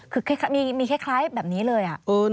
คือมีคล้ายแบบนี้เลย